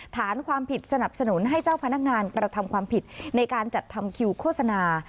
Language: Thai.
ฐานความผิดสนับสนุนให้เจ้าพนักงานกระทำความผิดในการจัดทำคิวโฆษณา